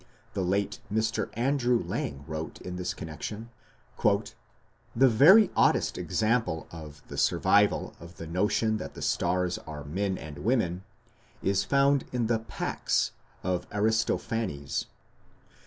The late Mr. Andrew Lang wrote in this connection: "The very oddest example of the survival of the notion that the stars are men and women is found in the Pax of Aristophanes.